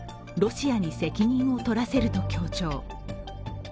ロシアに責任をとらせると強調。